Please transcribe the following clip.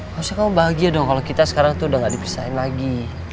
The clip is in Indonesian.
maksudnya kamu bahagia dong kalau kita sekarang tuh udah gak dipisahin lagi